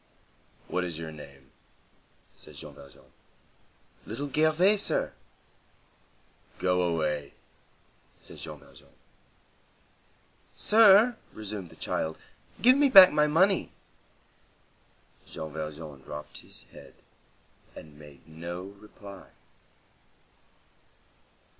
"What is your name?" said Jean Valjean. "Little Gervais, sir." "Go away," said Jean Valjean. "Sir," resumed the child, "give me back my money." Jean Valjean dropped his head, and made no reply.